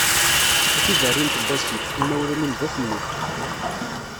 A tiberrint n wasif, imawlan-im d at nnif.